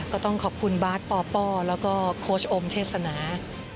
ก็ต้องขอบคุณบาสปปแล้วก็โค้ชโอมเทศนา